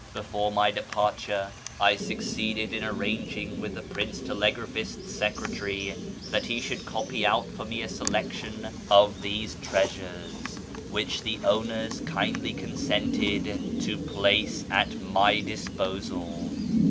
Before my departure I succeeded in arranging with the Prince Telegraphist's secretary that he should copy out for me a selection of these treasures, which the owners kindly consented to place at his disposal.